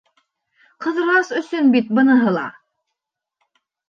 Ҡыҙырас өсөн бит быныһы ла!..